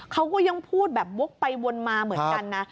เขาก็ยังพูดแบบวกไปวนมาเหมือนกันนะ